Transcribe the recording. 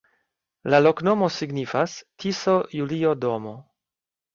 La loknomo signifas: Tiso-Julio-domo.